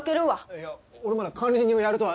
いや俺まだ管理人をやるとは。